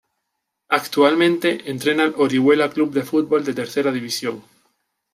Actualmente entrena al Orihuela Club de Fútbol de Tercera División.